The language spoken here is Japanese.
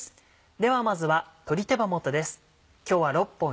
ではまずは鶏手羽元です。